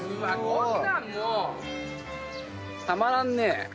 こんなんもうたまらんね。